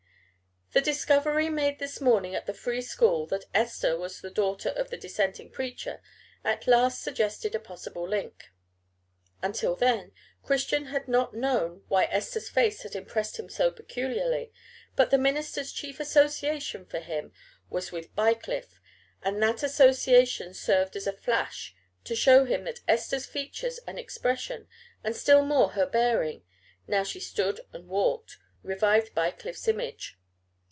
The discovery made this morning at the Free School that Esther was the daughter of the Dissenting preacher at last suggested a possible link. Until then, Christian had not known why Esther's face had impressed him so peculiarly; but the minister's chief association for him was with Bycliffe, and that association served as a flash to show him that Esther's features and expression, and still more her bearing, now she stood and walked, revived Bycliffe's image.